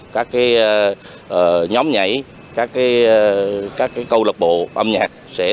các nhóm nhảy các câu lập bộ âm nhạc